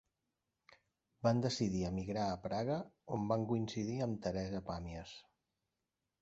Van decidir emigrar a Praga on van coincidir amb Teresa Pàmies.